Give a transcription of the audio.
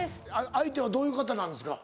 相手はどういう方なんですか？